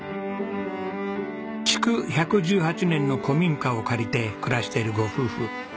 築１１８年の古民家を借りて暮らしているご夫婦。